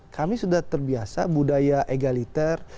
kami sudah terbiasa budaya egaliter